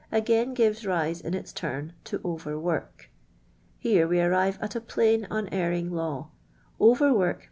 ;igain gives ri>ie in its turn to over wurk. Hence we arrive at a plain unerring law —*>,,," Oi/: